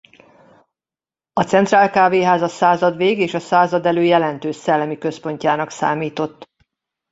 A Centrál kávéház a századvég és a századelő jelentős szellemi központjának számított.